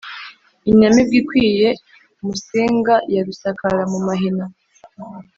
inyamibwa ikwiye musinga, ya rusakara mu mahina,